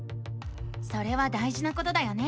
それは大じなことだよね。